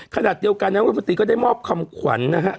ขนาดเดียวกันนักวิทยาลัยภาษีก็ได้มอบคำขวัญนะฮะ